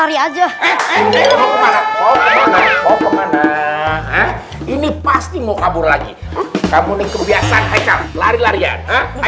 ini pasti mau kabur lagi kamu nih kebiasaan lari larian